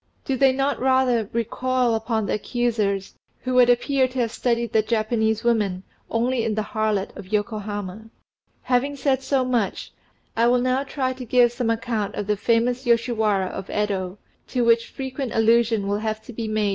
Do they not rather recoil upon the accusers, who would appear to have studied the Japanese woman only in the harlot of Yokohama? Having said so much, I will now try to give some account of the famous Yoshiwara of Yedo, to which frequent allusion will have to be made in the course of these tales.